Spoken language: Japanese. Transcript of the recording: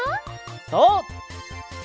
そう！